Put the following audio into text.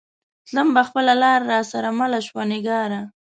تلم به خپله لار را سره مله شوه نگارا